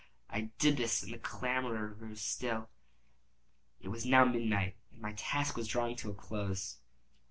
I did this, and the clamorer grew still. It was now midnight, and my task was drawing to a close.